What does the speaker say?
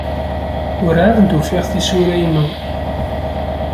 Werɛad ur d-ufiɣ tisura-inu.